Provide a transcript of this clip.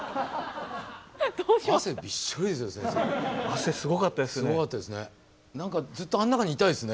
汗すごかったですね。